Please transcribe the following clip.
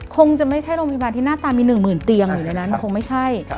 คงจะไม่ใช่โรงพยาบาลที่หน้าตามี๑๐๐๐เตียงอยู่ในนั้นคงไม่ใช่